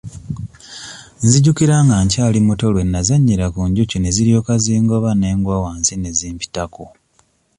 Nzijukira nga nkyali muto lwe nazannyira ku njuki ne ziryoka zingoba ne ngwa wansi ne zimpitako.